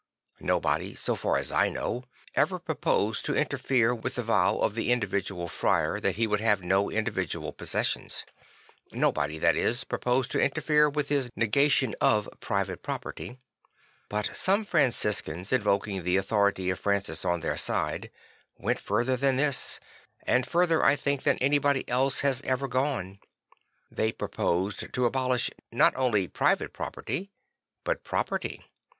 Nobody so far as I know ever proposed to interfere with the vow 172 '[he '[estament of St. Francis 173 of the individual friar that he would have no individual possessions. Nobody, that is, pro posed to interfere with his negation of private property. But some Franciscans, invoking the authority of Francis on their side, went further than this and further I think than anybody else has ever gone. They proposed to abolish not only private property but property.